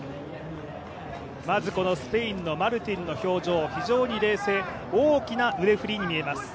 まずこのスペインのマルティンの表情非常に冷静、大きな腕振りに見えます。